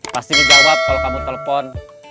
pasti dijawab kalau kamu telepon